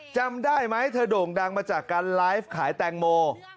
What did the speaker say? จำได้ไหมเธอโด่งดังมาจากการไลฟ์ขายแตงโม